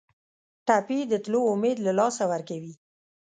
ټپي د تلو امید له لاسه ورکوي.